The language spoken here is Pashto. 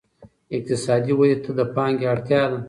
اقتصادي ودې ته د پانګې اړتیا ده.